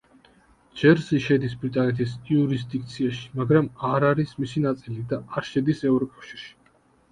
ჯერზი შედის ბრიტანეთის იურისდიქციაში, მაგრამ არ არის მისი ნაწილი და არ შედის ევროკავშირში.